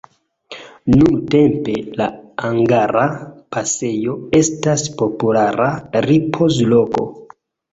Nuntempe la Angara pasejo estas populara ripoz-loko.